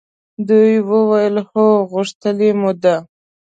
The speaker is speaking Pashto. دوی وویل هو! غوښتلې مو ده.